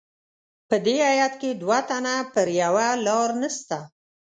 په دې هیات کې دوه تنه پر یوه لار نسته.